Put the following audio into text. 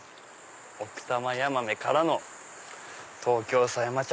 奥多摩ヤマメからの東京狭山茶。